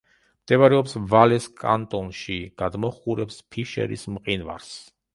მდებარეობს ვალეს კანტონში; გადმოჰყურებს ფიშერის მყინვარს.